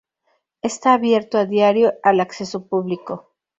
Está abierto a diario al acceso público.